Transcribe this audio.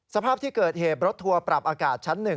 สภาพที่เกิดเหตุรถทัวร์ปรับอากาศชั้น๑